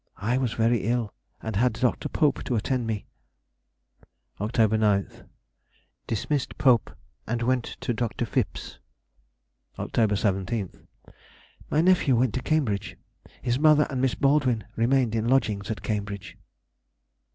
I was very ill, and had Dr. Pope to attend me. Oct. 9th.—Dismissed Pope and went to Dr. Phips. Oct. 17th.—My nephew went to Cambridge. His mother and Miss Baldwin remained in lodgings at Cambridge.